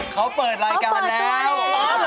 เขาเปิดรายการแล้ว